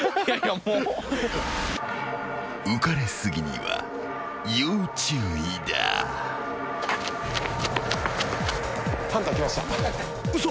［浮かれ過ぎには要注意だ］・嘘！？